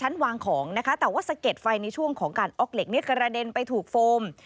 เหล็กนี้กระเด็นไปถูกโฟม